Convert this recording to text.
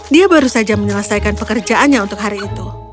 dia baru saja menyelesaikan pekerjaannya untuk hari itu